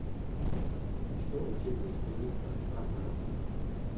Šlo o Židy z Egypta a Maroka.